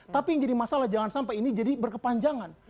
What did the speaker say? tapi yang jadi masalah jalan sampah ini jadi berkepanjangan